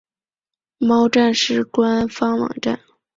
猫战士官方网站